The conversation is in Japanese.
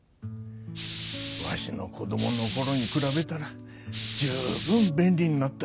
わしのこどものころに比べたら十分便利になった。